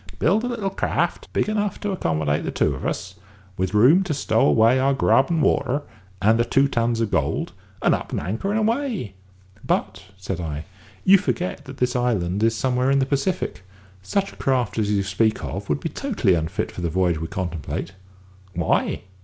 "Build a little craft big enough to accommodate the two of us; with room to stow away our grub and water, and the two tons of gold; and up anchor and away." "But," said I, "you forget that this island is somewhere in the Pacific. Such a craft as you speak of would be totally unfit for the voyage we contemplate." "Why?"